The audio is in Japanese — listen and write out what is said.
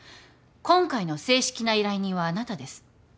今回の正式な依頼人はあなたです。